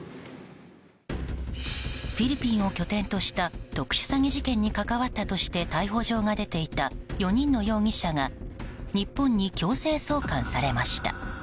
フィリピンを拠点とした特殊詐欺事件に関わったとして逮捕状が出ていた４人の容疑者が日本に強制送還されました。